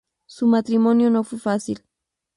Su matrimonio no fue fácil.